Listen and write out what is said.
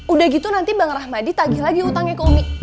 udah gitu nanti bang rahmadi tagih lagi utangnya ke umi